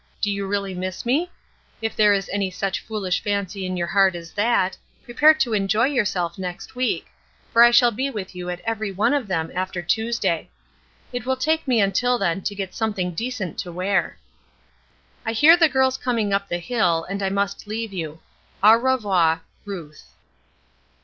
Do you really miss me? If there is any such foolish fancy in your heart as that, prepare to enjoy yourself next week, for I shall be with you at every one of them after Tuesday. It will take me until then to get something decent to wear. "I hear the girls coming up the hill, and I must leave you. "Au revoir, "RUTH."